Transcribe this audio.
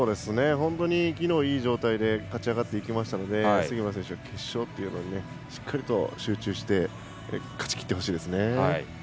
本当に昨日、いい状態で勝ち上がっていきましたので杉村選手、決勝ということでしっかりと集中して勝ち切ってほしいですね。